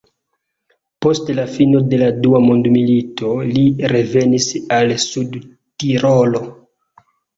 Post la fino de la dua mondmilito li revenis al Sudtirolo.